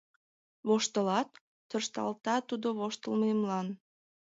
— Воштылат?! — тӧршталта тудо воштылмемлан.